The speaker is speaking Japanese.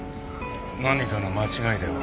何かの間違いでは？